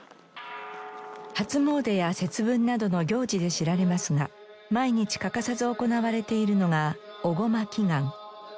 初詣や節分などの行事で知られますが毎日欠かさず行われているのが御護摩祈願。